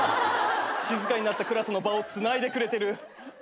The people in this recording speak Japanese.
静かになったクラスの場をつないでくれてる。